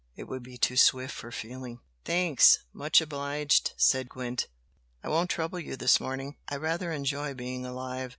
It would be too swift for feeling." "Thanks! Much obliged!" said Gwent "I won't trouble you this morning! I rather enjoy being alive."